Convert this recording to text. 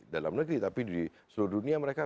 dalam negeri tapi di seluruh dunia mereka